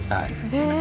へえ。